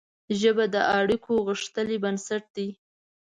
ژبه د اړیکو غښتلی بنسټ دی